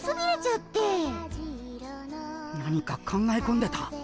何か考え込んでた？